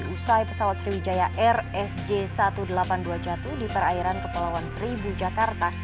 usai pesawat sriwijaya air sj satu ratus delapan puluh dua jatuh di perairan kepulauan seribu jakarta